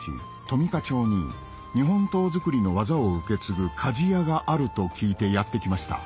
富加町に日本刀づくりの技を受け継ぐ鍛冶屋があると聞いてやって来ました